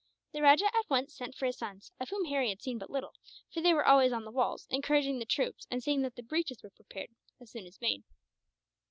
The rajah at once sent for his sons of whom Harry had seen but little, for they were always on the walls, encouraging the troops and seeing that the breaches were repaired, as soon as made.